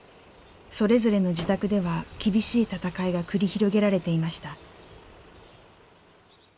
それぞれの自宅では厳しい闘いが繰り広げられていました。